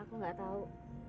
aku gak tau